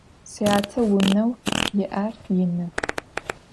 Syate vuneu yi'er yinı.